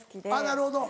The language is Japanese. なるほど。